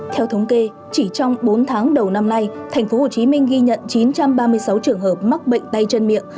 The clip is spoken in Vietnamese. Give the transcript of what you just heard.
theo thống kê chỉ trong bốn tháng đầu năm nay tp hcm ghi nhận chín trăm ba mươi sáu trường hợp mắc bệnh tay chân miệng